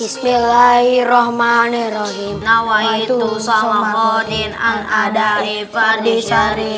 bismillahirrohmanirrohim nawaitu salam khutin an'adari fadidishari